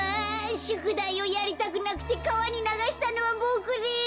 しゅくだいをやりたくなくてかわにながしたのはボクです。